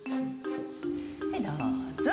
はいどうぞ。